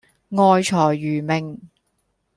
愛財如命